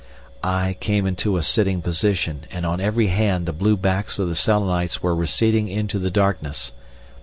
I came into a sitting position, and on every hand the blue backs of the Selenites were receding into the darkness.